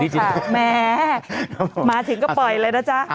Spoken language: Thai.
ดิจิมอนด์ค่ะแม่มาถึงก็ปล่อยเลยนะจ๊ะอื้อ